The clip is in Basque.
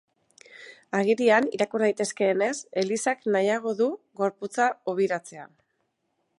Agirian irakur daitekeenez, elizak nahiago du gorpuak hobiratzea.